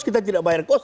kita tidak bayar kos